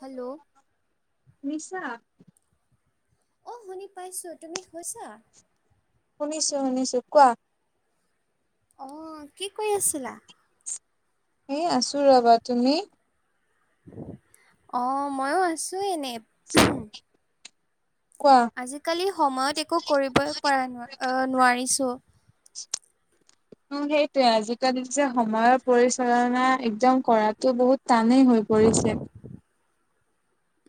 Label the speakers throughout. Speaker 1: Hello,
Speaker 2: শুনিছা?
Speaker 1: অ', শুনি পাইছো তুমি শুইছা?
Speaker 2: শুনিছো -শুনিছো কোৱা?
Speaker 1: অ', কি কৰি আছিলা?
Speaker 2: এ আছোঁ ৰবা তুমি?
Speaker 1: অ', ময়ো আছো এনে।
Speaker 2: কোৱা?
Speaker 1: আজিকালি সময়ত একো কৰিবই পৰা না অ, নোৱাৰিছোঁ।
Speaker 2: উম, সেইটোৱে আজিকালি যে সময়ৰ পৰিচালনা একদম কৰাতো বহুত টানে হৈ পৰিছে।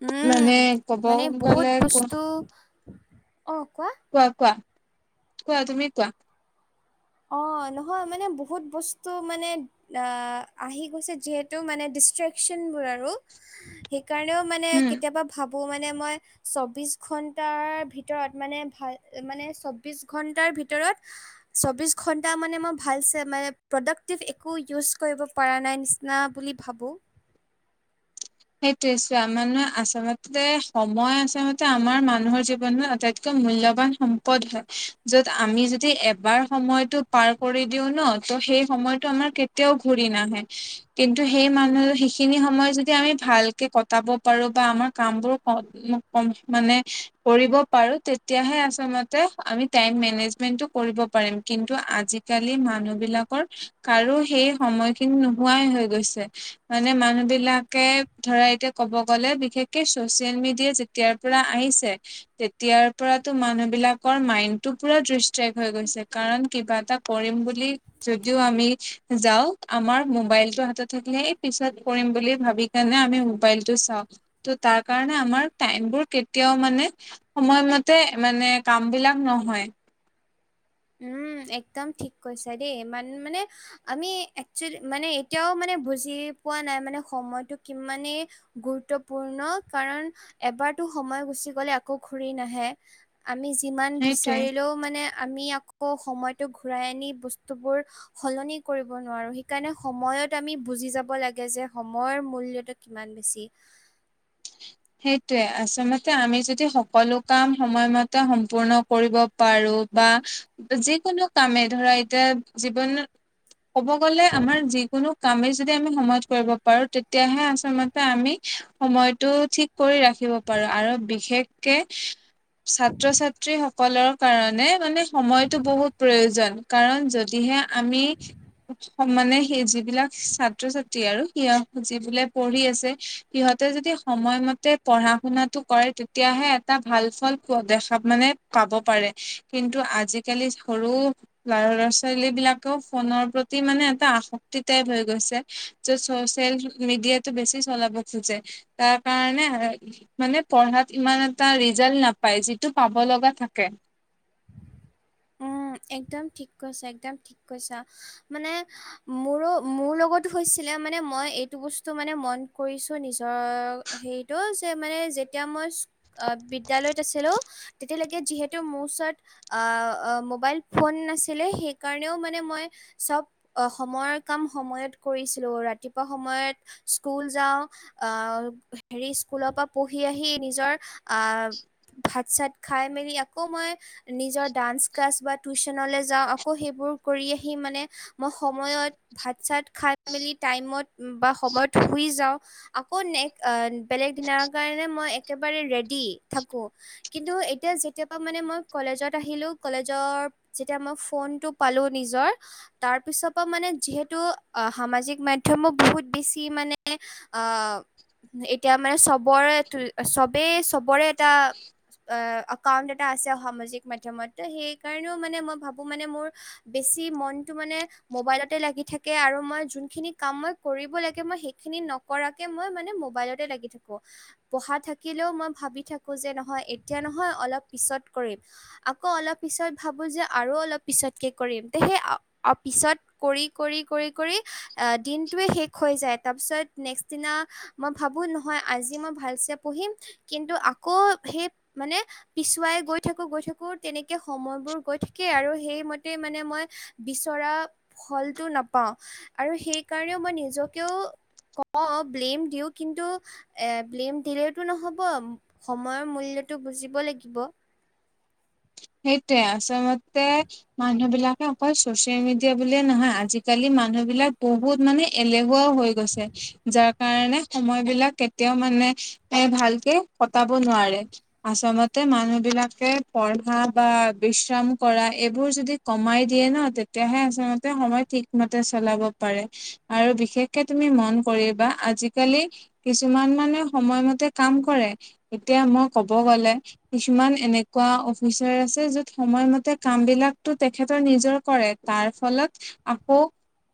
Speaker 1: উম,
Speaker 2: মানে ক'ব
Speaker 1: মানে বহুত
Speaker 2: গ'লে কোৱা
Speaker 1: বস্তু অ, কোৱা।
Speaker 2: কোৱা -কোৱা -কোৱা তুমি কোৱা?
Speaker 1: অ নহয় মানে বহুত বস্তু মানে আ আহি গৈছে যিহেতু মানে ডিষ্ট্ৰেকচনবোৰ আৰু হে কাৰণেও মানে
Speaker 2: উম।
Speaker 1: কেতিয়াবা ভাবোঁ মানে মই চব্বিছ ঘণ্টাৰ ভিতৰত মানে ভাল মানে চব্বিছ ঘণ্টাৰ ভিতৰত চব্বিছ ঘণ্টা মানে মই ভালছে মানে প্ৰডাক্টিভ একো ইউজ কৰিব পাৰা নাই নিচিনা বুলি ভাবোঁ।
Speaker 2: সেইটোৱে চোৱা মানে আচলতে সময় আচলতে আমাৰ মানুহৰ জীৱনত আটাইতকৈ মূল্যবান সম্পদ হয়। য'ত আমি যদি এবাৰ সময়তো পাৰ কৰি দিও ন ত সেই সময়তো আমাৰ কেতিয়াও ঘূৰি নাহে কিন্তু সেই মানুহে সেইখিনি সময়ত যদি আমি ভালকে কটাব পাৰো বা আমাৰ কামবোৰ ক ক মানে কৰিব পাৰো তে তিয়াহে আচলতে আমি টাইম মেনেজমেন্টো কৰিব পাৰিম কিন্তু আজিকালি মানুহ বিলাকৰ কাৰো সেই সময়খিনি নোহোৱাই হৈ গৈছে। মানে মানুহ বিলাকে ধৰা এতিয়া ক'ব গ'লে বিশেষকে ছচিয়েল মিডিয়া যেতিয়াৰ পৰা আহিছে, তেতিয়াৰ পৰাতো মানুহ বিলাকৰ মাইণ্ডটো পুৰা ডিষ্ট্ৰেক্ট হৈ গৈছে কাৰণ কিবা এটা কৰিম বুলি যদিও আমি যাও আমাৰ মোবাইলটো হাততে থাকিলে এই পিছত কৰিম বুলি ভাবি তেনে আমি মোবাইলটো চাও, ত তাৰ কাৰণে আমাৰ টাইম বোৰ কেতিয়াও মানে সময়মতে মানে কাম বিলাক নহয়।
Speaker 1: উম একদম ঠিক কৈছা দেই, ইমান মানে আমি একচেলি মানে এতিয়াও মানে বুজি পোৱা নাই মানে সময়টো কিমানেই গুৰুত্বপূৰ্ণ কাৰণ এবাৰতো সময় গুচি গলে আকৌ ঘূৰি নাহে। আমি যিমান
Speaker 2: সেইটোৱে
Speaker 1: বিচাৰিলেও মানে আমি আকৌ সময়টো ঘূৰাই আনি বস্তুবোৰ সলনি কৰিব নোৱাৰো। সেইকাৰণে সময়ত আমি বুজি যাব লাগে যে সময়ৰ মূল্যটোত কিমান বেছি।
Speaker 2: সেইটোয়ে আচলতে আমি যদি সকলো কাম সময়মতে সম্পূৰ্ণ কৰিব পাৰো বা যিকোনো কামে ধৰা এতিয়া জীৱনত ক'ব গ'লে আমাৰ যিকোনো কামে যদি আমি সময়ত কৰিব পাৰো তেতিয়াহে আচলতে আমি সময়তো ঠিক কৰি ৰাখিব পাৰো আৰু বিশেষকে ছাত্ৰ-ছাত্ৰী স সকলৰ কাৰণে মানে সময়তো বহুত প্ৰয়োজন কাৰণ যদিহে আমি স মানে সেই যিবিলাক ছাত্ৰ-ছাত্ৰী আৰু সিহঁত যিবিলাক পঢ়ি আছে সিহঁতে যদি সময় ম তে পঢ়া-শুনাটো কৰে। তেতিয়াহে এটা ভাল ফল দেখা মানে পাব পাৰে। কিন্তু আজিকালি সৰু ল ল'ৰা ছোৱালী বিলাকেও ফোনৰ প্ৰতি মানে এটা আসক্তি টাইপ হৈ গৈছে। যে চচিয়েল মিডিয়াটো বেছি চলাব খোজে তাৰ কাৰণে মানে পঢ়াত ইমান এটা ৰিজাল্ট নাপায় যিটো পাব লগা থাকে।
Speaker 1: অ একদম ঠিক কৈছা একদম ঠিক কৈছা। মানে মোৰো মোৰ লগত হৈছিলে মানে মই এইটো বস্তু মানে মন কৰিছো নিজৰ হেৰিটো যে মানে যেতিয়া মই বিদ্যালয়ত আছিলো তেতিয়ালৈকে যিহেতু মোৰ ওচৰত আহ অ মোবাইল ফোন নাছিলে সেইকাৰণেও মানে মই চব অ সময়ৰ কাম সময়ত কৰিছিলো, ৰাতিপুৱা সময়ত স্কুল যাওঁ আহ হেৰি স্কুলৰ পৰা পঢ়ি আহি নিজৰ আহ ভাত চাত খাই মেলি আকৌ মই নিজৰ ডান্স ক্লাছ বা টিউচনলৈ যাওঁ আকৌ সেইবোৰ কৰি আহি মানে মই সময়ত ভাত চাত খাই মেলি টাইমত বা সময়ত শুই যাওঁ আকৌ নেক এ বেলেগ দিনাৰ কাৰণে মই একেবাৰে ৰেডি থাকোঁ কিন্তু এতিয়া যেতিয়াৰপা মানে মই কলেজত আহিলো কলেজৰ যেতিয়া মই ফোনটো পালো নিজৰ তাৰ পিছৰ পৰা মানে যিহেতু আ সামাজিক মাধ্যমো বহুত বেছি মানে আ এতিয়া মানে চবৰে চবেই চবৰে এটা এ একাউন্ট এটা আছে সামাজিক মাধ্যমত সেই কাৰণেও মানে মই ভাবোঁ মানে মোৰ বেছি মনটো মানে মবাইলতে লাগি থাকে আৰু মই জোনখিনি কাম মই কৰিব লাগে মই সেইখিনি নক কৰাকে মই মানে মোবাইলতে লাগি থাকোঁ পঢ়া থাকিলেও মই ভাবি থাকো যে নহয় এতিয়া নহয় অলপ পিছত কৰিম আকৌ অলপ পিছত ভাবোঁ যে আৰু অলপ পিছতকে কৰিম তে সেই পিছত কৰি কৰি কৰি কৰি দিনটোৱে শেষ হৈ যায় তাৰপিছত নেক্সট দিনা মই ভাবোঁ নহয় আজি মই ভালচে পঢ়িম কিন্তু আকৌ সেই মানে পিছুৱাই গৈ থাকো গৈ থাকো তেনেকে সময়বোৰ গৈ থাকে আৰু সেইমতে মানে মই বিচৰা ফলটো নাপাওঁ আৰু সেইকাৰণেও মই নিজকেও ক‌ওঁ ব্লেম দিওঁ কিন্তু এ ব্লেম দিলেওতো নহব সময়ৰ মূল্যটো বুজিব লাগিব
Speaker 2: সেইটোৱে আচলতে মানুহ বিলাকে অকল চচিয়েল মিডিয়া বুলিয়ে নহয় আজিকালি মানুহ বিলাক বহুত মানে এলেহুৱাও হৈ গৈছে যাৰ কাৰণে সময় বিলাক কেতিয়াও মানে এ ভালকে কটাব নোৱাৰে আচলমতে মানুহ বিলাকে পঢ়া বা বিশ্ৰাম কৰা এইবোৰ যদি কমাই দিয়ে নহয় তেতিয়াহে আচলতে সময় থিক মতে চলাব পাৰে আৰু বিশেষকে তুমি মন কৰিবা আজিকালি কিছুমান মানে সময়মতে কাম কৰে এতিয়া মই কব গ'লে কিছুমান এনেকুৱা অফিচ আছে য'ত সময়মতে কাম বিলাকতো তেখেতৰ নিজৰ কৰে তাৰ ফলত আকৌ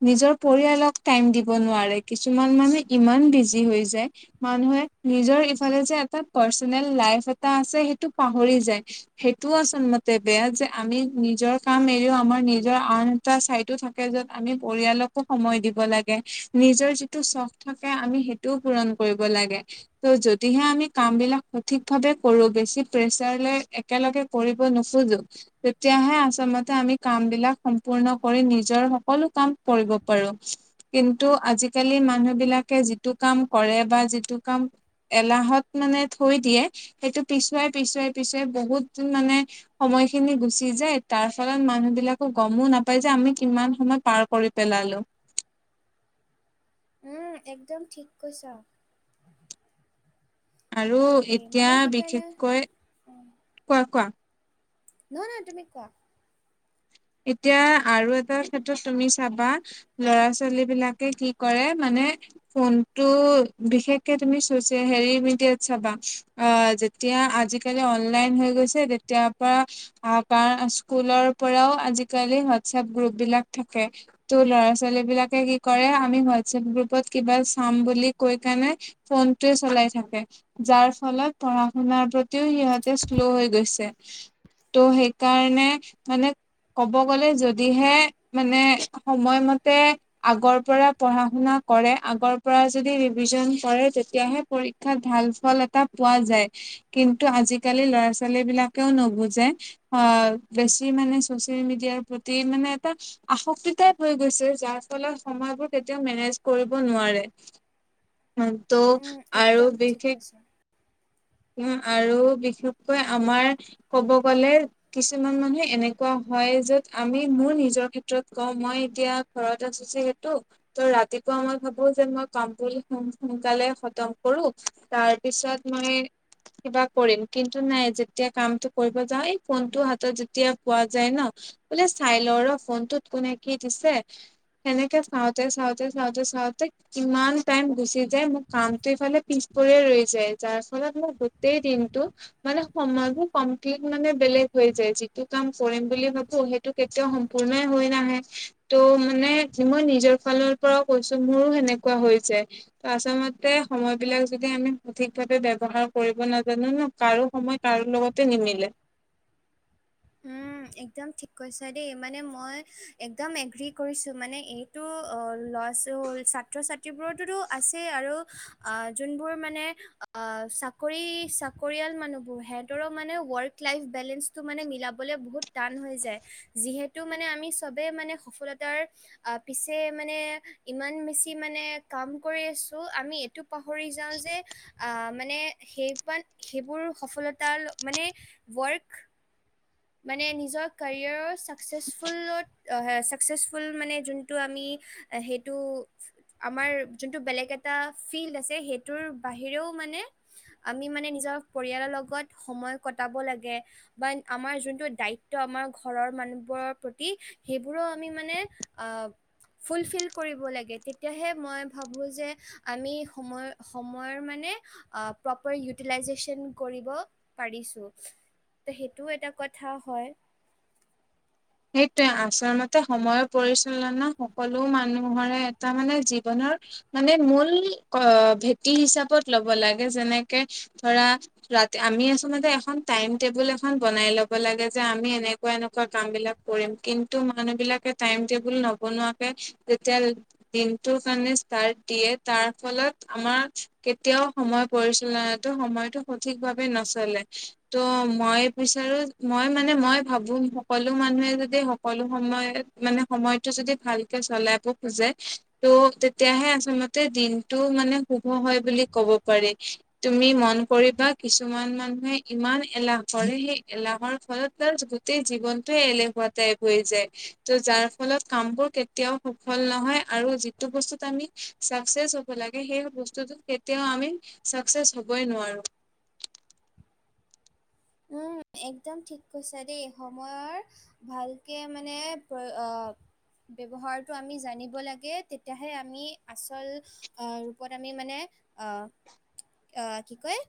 Speaker 2: নিজৰ পৰিয়ালক টাইম দিব নোৱাৰে কিছুমান মানে ইমান বিজি হৈ যায় মানুহে নিজৰ ইফালে যে এটা পাৰ্চনেল লাইফ এটা আছে সেইটো পাহৰি যায়, সেইট টোও আচলতে বেয়া যে আমি নিজৰ কাম এৰিও আমাৰ নিজৰ আন এটা চাইতো থাক কে য'ত আমি পৰিয়ালকো সময় দিব লাগে নিজৰ যিটো চখ থাকে আমি সেইট টোও পূৰণ কৰিব লাগে ত' যদিহে আমি কাম বিলাক স থিক ভাৱে কৰো বেছি প্ৰেছাৰলৈ একেলগে কৰিব নোখোজো তেতিয়াহে আচলতে আমি কাম বিলাক সম্পূৰ্ণ কৰি নিজৰ সকলো কাম কৰিব পাৰোঁ কিন্তু আজিকালি মানুহ বিলাকে যিটো কাম কৰে বা যিটো কাম এলাহত মানে থৈ দিয়ে সেইটো পিছুৱাই পিছুৱাই পিছুৱাই বহুত মানে সময় খিনি গুচি যায় তাৰ ফলত মানুহ বিলাকো গমো নাপাই যে আমি কিমান সময় পাৰ কৰি পেলালো
Speaker 1: উম একদম থিক কৈছা
Speaker 2: আৰু
Speaker 1: দেই
Speaker 2: এতিয়া
Speaker 1: মানে সেইকাৰণে
Speaker 2: বিশেষকৈ কোৱা কোৱা
Speaker 1: নহয় নহয় তুমি কোৱা?
Speaker 2: এতিয়া আৰু এটা ক্ষেত্ৰত তুমি চাবা ল'ৰা-ছোৱালীবিলাকে কি কৰে মানে ফোনটো বিশেষকে তুমি ছ'চিয়া হেৰি মিডিয়াত চাবা। অ' যেতিয়া আজিকালি অনলাইন হৈ গৈছে তেতিয়াৰ পৰা বা স্কুলৰ পৰাও আজিকালি হোৱাটছআপ গ্ৰুপবিলাক থাকে। ত' ল'ৰা-ছোৱালীবিলাকে কি কৰে আমি হোৱাটছএপ গ্ৰুপত কিবা চাম বুলি কৈ কেনে ফোনটোৱে চলাই থাকে। যাৰ ফলত পঢ়া-শুনাৰ প্ৰতিও সিহঁতে শ্ল' হৈ গৈছে। ত' সেইকাৰণে মানে ক'ব গ'লে যদিহে মানে সময় মতে আগৰ পৰা পঢ়া-শুনা কৰে, আগৰ পৰা যদি ৰিভিজন কৰে তেতিয়াহে পৰীক্ষাত ভাল ফল এটা পোৱা যায়। কিন্তু আজিকালি ল'ৰা-ছোৱালীবিলাকেও নুবুজে আ বেছি মানে ছ'চিয়েল মিডিয়াৰ প্ৰতি মানে এটা আসক্তি টাইপ হৈ গৈছে। যাৰ ফলত সময়বোৰ তেতিয়া মেনেজ কৰিব নোৱাৰে।
Speaker 1: [inaudible]
Speaker 2: ত'
Speaker 1: উম,
Speaker 2: আৰু
Speaker 1: একদম ঠিক
Speaker 2: বিশেষ
Speaker 1: কৈছা।
Speaker 2: উম আৰু বিশেষকৈ আমাৰ ক'ব গ'লে কিছুমান মানুহে এনে কোৱা হয় য'ত আমি মোৰ নিজৰ ক্ষেত্ৰত কওঁ মই এতিয়া ঘৰত আছো যে সেইটো ত' ৰাতিপুৱা মই ভাবো যে, মই কামখিনি সো সোনকালে খতম কৰো তাৰ পিছত মই কিবা কৰিম, কিন্তু নাই যেতিয়া কামটো কৰিব যাওঁ এই ফোনটো হাতত যেতিয়া পোৱা যায় ন' বোলে চাই লওঁ ৰহ ফোনটোত কোনে কি দিছে। সেনেকে চাওঁতে, চাওঁতে, চাওঁতে, চাওঁতে ইমান টাইম গুচি যায়, মোৰ কামটো ইফালে পিছ পৰিয়ে ৰৈ যায়, যাৰ ফলত মোৰ গোটেই দিনটো মানে সময়বোৰ কমপ্লিট মানে বেলেগ হৈ যায় যিটো কাম কৰিম বুলি ভাবো, সেইটো কেতিয়াও সম্পূৰ্ণই হৈ নাহে। ত' মানে যে মই নিজৰ ফালৰ পৰাও কৈছো মোৰো সেনেকুৱা হৈ যায়। আচলতে সময়বিলাক যদি আমি সঠিকভাৱে ব্যৱহাৰ কৰিব নাজানো ন', কাৰো সময় কাৰো লগতে নিমিলে।
Speaker 1: উম একদম ঠিক কৈছা দেই, মানে মই একদম এগ্ৰী কৰিছোঁ মানে এই [unintelligible] ছাত্ৰ-ছাত্ৰীবোৰৰ তোটো আছেই আৰু আ যোনবোৰ মানে আ চাকৰি চাকৰিয়াল মানুহবোৰ, সিহঁতৰো মানে ৱৰ্ক লাইফ বেলেঞ্চটো মানে মিলাব বহুত টান হৈ যায়, যিহেতু মানে আমি চবেই মানে সফলতাৰ আহ পিছে মানে ইমান বেছি মানে কাম কৰি আছো, আমি এইটো পাহৰি যাওঁ যে, আ মানে সেইপান সেইবোৰ সফলতাৰ মানে ৱৰ্ক মানে নিজৰ কেৰিয়াৰৰ ছাকচেছফুলত এ ছাকচেছফুল মানে যোনটো আমি সেইটো আমাৰ যোনটো বেলেগ এটা ফিল্ড আছে সেইটোৰ বাহিৰেও মানে আমি মানে নিজৰ পৰিয়ালৰ লগত সময় কটাব লাগে বা আমাৰ যোনটো দায়িত্ব আমাৰ ঘৰৰ মানুহবোৰৰ প্ৰতি সেইবোৰো আমি মানে অ' ফুলফিল কৰিব লাগে, তেতিয়াহে মই ভাবোঁ যে আমি সময় সময়ৰ মানে আ প্ৰপাৰ ইউটিলাইজেচন কৰিব পাৰিছো, ত সেই টো এটা কথা হয়।
Speaker 2: সেইটোৱে আচলতে সময়ৰ পৰিচালনা সকলো মানুহৰে এটা মানে জীৱনৰ মানে মূল অ ভেটি হিচাপত ল'ব লাগে যেনেকে ধৰা ৰাতি আমি আচলতে এখন টাইম টেবুল এখন বনাই ল'ব লাগে যে আমি এনেকুৱা এনেকুৱা কামবিলাক কৰিম কিন্তু মানুহবিলাকে টাইম টেবুল নবনোৱাকে যেতিয়া দিনটোৰ কাৰণে ষ্টাৰ্ট দিয়ে তাৰ ফলত আমাৰ কেতিয়াও সময় পৰিচালনাতো সময়টো সঠিক ভাৱে নচলে। ত' মই বিচাৰো, মই মানে মই ভাবো সকলো মানুহে যদি সকলো সময় মানে সময়টো যদি ভালকে ছলাব খোজে ত' তেতিয়াহে আচলতে দিনটো মানে শুভ হয় বুলি ক'ব পাৰি। তুমি মন কৰিবা কিছুমান মানুহে ইমান এলাহ কৰে, সেই এলাহৰ ফলত [unintelligible] গোটেই জীৱনটোয়ে এলেহুৱা তে পৰি যায়, ত' যাৰ ফলত কামবোৰ কেতিয়াও সফল নহয় আৰু যি টো বস্তুত আমি চাকচেচ হ'ব লাগে সেই বস্তুত কেতিয়াও আমি ছাকচেছ হ'বই নোৱাৰো।
Speaker 1: উম, একদম ঠিক কৈছা দেই সময়ৰ ভালকে মানে প্ৰই আ ব্যৱহাৰটো আমি জানিব লাগে তেতিয়াহে আমি আচল আহ ৰূপত আমি মানে আহ' আঁহ কি কয়,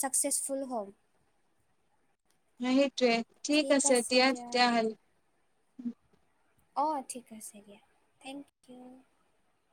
Speaker 1: চাকচেছফুল হ'ম।
Speaker 2: [unintelligible] সেইটোৱে ঠিক আছে দিয়া তেতিয়াহলে।
Speaker 1: অঁ ঠিক আছে দিয়া, থেংক ইউ।